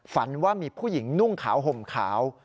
ฝันว่ามีผู้หญิงนุ่งขาวห่มขาว